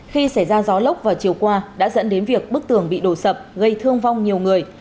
khi xảy ra gió lốc vào chiều qua đã dẫn đến việc bức tường bị đổ sập gây thương vong nhiều người